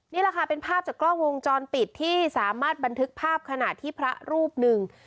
นี่แหละค่ะเป็นภาพจากกล้องวงจรปิดที่สามารถบันทึกภาพขณะที่พระรูปหนึ่ง